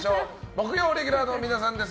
木曜レギュラーの皆さんです。